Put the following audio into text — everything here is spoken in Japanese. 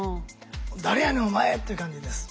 「誰やねんお前」っていう感じです。